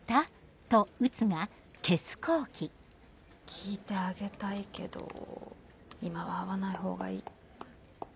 聞いてあげたいけど今は会わない方がいい。